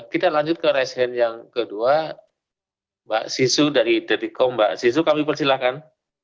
kita lanjut ke respon yang kedua mbak sisu dari tetikom mbak sisu kami persilahkan